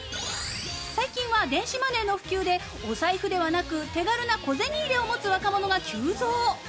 最近は電子マネーの普及でお財布ではなく手軽な小銭入れを持つ若者が急増。